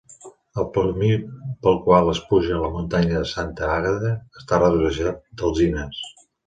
El camí pel qual es puja a la muntanya de Santa Àgueda està rodejat d'alzines.